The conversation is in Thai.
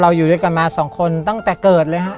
อยู่ด้วยกันมาสองคนตั้งแต่เกิดเลยฮะ